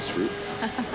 アハハハ。